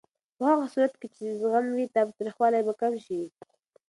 په هغه صورت کې چې زغم وي، تاوتریخوالی به کم شي.